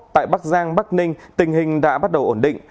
tại bắc giang bắc ninh tình hình đã bắt đầu ổn định